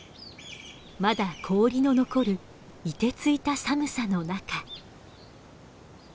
まだ氷の残るいてついた寒さの中。